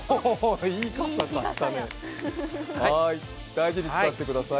大事に使ってください。